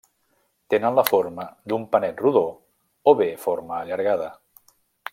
Tenen la forma d'un panet rodó o bé forma allargada.